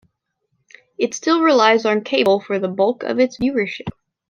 It still relies on cable for the bulk of its viewership.